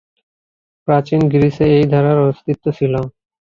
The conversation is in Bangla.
প্রাচীন গ্রিসে এই ধারার অস্তিত্ব ছিল।